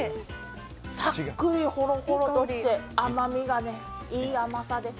さっくりほろほろとして甘みがいい甘さで。